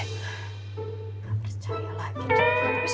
gak percaya lagi